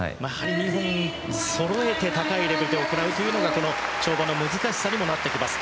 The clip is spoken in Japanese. ２本そろえて高いレベルで行うということがこの跳馬の難しさにもなってきます。